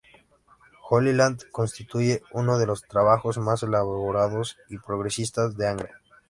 Holy Land constituye uno de los trabajos más elaborados y progresista de Angra.